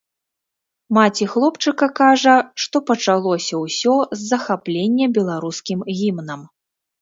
Маці хлопчыка кажа, што пачалося ўсё з захаплення беларускім гімнам.